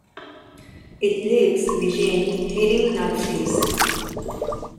It leaves Beijing heading north-east.